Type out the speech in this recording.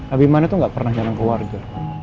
abimana itu gak pernah jalan keluarga